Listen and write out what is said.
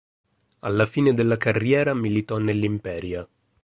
Alla fine della carriera militò nell'Imperia.